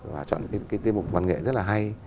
và chọn những cái tiết mục văn nghệ rất là hay